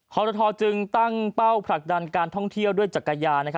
ทรทจึงตั้งเป้าผลักดันการท่องเที่ยวด้วยจักรยาน